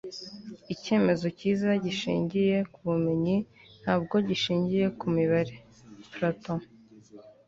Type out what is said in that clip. icyemezo cyiza gishingiye ku bumenyi ntabwo gishingiye ku mibare. - platon